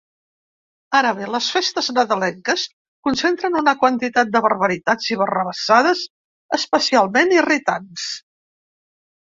Ara bé, les festes nadalenques concentren una quantitat de barbaritats i barrabassades especialment irritants.